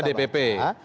itu rapatnya dpp